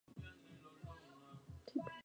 Fue recopilado en un único volumen.